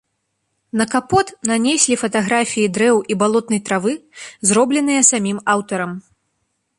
На капот нанеслі фатаграфіі дрэў і балотнай травы, зробленыя самім аўтарам.